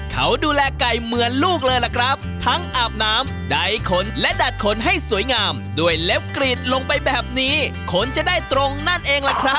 เขาดูแลไก่เหมือนลูกเลยล่ะครับทั้งอาบน้ำใดขนและดัดขนให้สวยงามด้วยเล็บกรีดลงไปแบบนี้ขนจะได้ตรงนั่นเองล่ะครับ